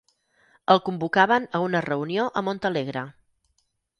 El convocaven a una reunió a Montalegre.